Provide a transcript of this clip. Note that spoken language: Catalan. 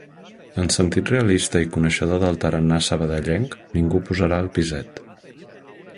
En sentit realista i coneixedor del tarannà sabadellenc ningú posarà el piset